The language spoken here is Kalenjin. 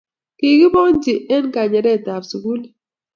kikibonchi eng' kanyaretab sukulit.